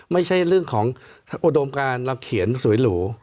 ไม่ใช่เรื่องของอุดมการเราเขียนสวยหรู